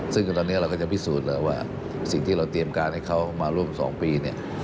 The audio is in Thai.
ซึ่งตอนนี้เราก็จะพิสูจน์เลยว่าสิ่งที่เราเตรียมการให้เขามาร่วม๒ปีเนี่ย